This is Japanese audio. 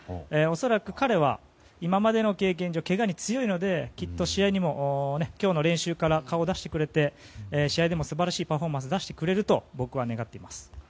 恐らく彼は今までの経験上、けがに強いのできっと今日の練習から顔を出してくれて試合でも素晴らしいパフォーマンスを出してくれると僕は願っています。